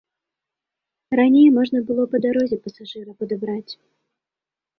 Раней можна было па дарозе пасажыра падабраць.